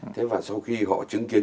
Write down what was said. thế và sau khi họ chứng kiến